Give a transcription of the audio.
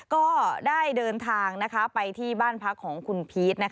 ก็ได้เดินทางไปที่บ้านพักของคุณพีช